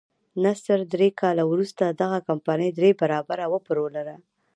نصر درې کاله وروسته دغه کمپنۍ درې برابره وپلورله.